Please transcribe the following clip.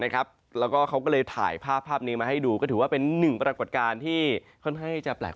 แล้วก็เขาก็เลยถ่ายภาพนี้มาให้ดูก็ถือว่าเป็นหนึ่งปรากฏการณ์ที่ค่อนข้างจะแปลก